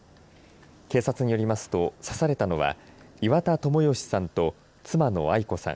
警察によりますと、刺されたのは岩田友義さんと妻の愛子さん